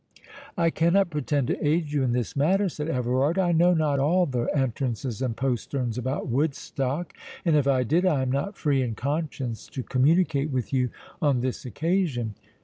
"I cannot pretend to aid you in this matter," said Everard; "I know not all the entrances and posterns about Woodstock, and if I did, I am not free in conscience to communicate with you on this occasion."